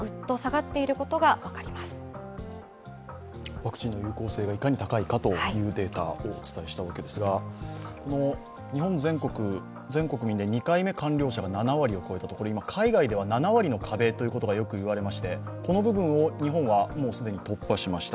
ワクチンの有効性がいかに高いかというデータをお伝えしたわけですが日本全国民で２回目の完了者が７割を超えたということで海外では７割の壁ということがよく言われまして、この部分を日本はもう既に突破しました。